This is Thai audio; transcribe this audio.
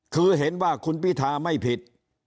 คือเห็นว่าคุณพิธาไม่ผิด